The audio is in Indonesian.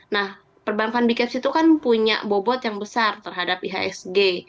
nah perbankan bkps itu kan punya bobot yang besar terhadap ihsg